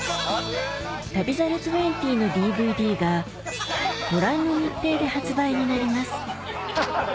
『旅猿２０』のＤＶＤがご覧の日程で発売になります